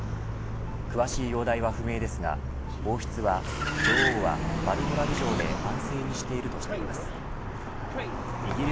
詳しい容体は不明ですが、王室は女王はバルモラル城で安静にしているとしています。